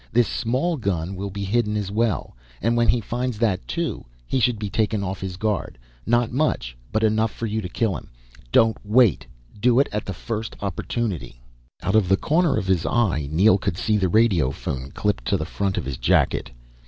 This small gun will be hidden as well, and when he finds that, too, he should be taken off his guard. Not much, but enough for you to kill him. Don't wait. Do it at the first opportunity." Out of the corner of his eye, Neel could see the radiophone clipped to the front of his jacket.